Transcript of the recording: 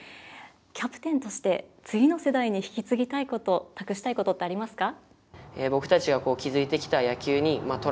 キャプテンとして、次の世代に引き継ぎたいこと託したいことってありますか。